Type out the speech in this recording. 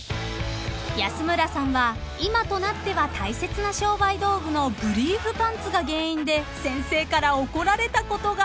［安村さんは今となっては大切な商売道具のブリーフパンツが原因で先生から怒られたことが］